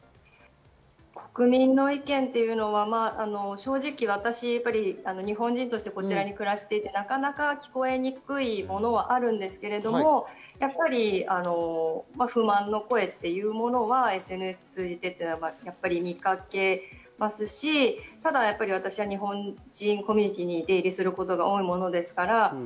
国民の意見は正直、私は日本人として、こちらに暮らしていて、なかなか聞こえにくいものはあるんですけれども、不満の声というものはＳＮＳを通じて見かけますし、私は日本人コミュニティに出入りすることが多いものですから。